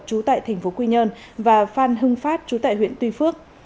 chú tại tp quy nhơn và phan hưng phát chú tại huyện tuy phước